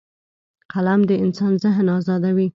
قلم د انسان ذهن ازادوي